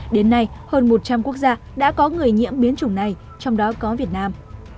đến nay hơn một trăm linh quốc gia đã có người nhiễm biến chủng này trong đó có việt nam